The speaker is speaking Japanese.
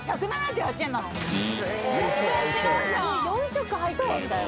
食入ってんだよ。